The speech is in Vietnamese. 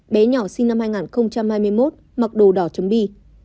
bé nhỏ sinh năm hai nghìn hai mươi một mặc đồ đỏ chấm bi